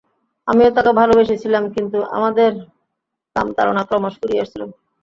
আমিও তাকে ভালবেসেছিলাম, কিন্তু আমাদের কামতাড়না ক্রমশ ফুরিয়ে আসছিল।